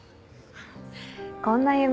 こんな夢